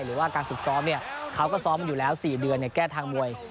หรือว่าการฝึกซ้อมเนี่ยเขาก็ซ้อมมาอยู่แล้ว๔เดือนแก้ทางมวย